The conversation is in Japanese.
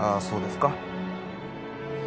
そうですか。